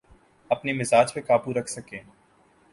اپنے مزاج پہ قابو رکھ سکے۔